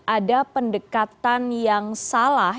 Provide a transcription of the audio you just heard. ada pendekatan yang salah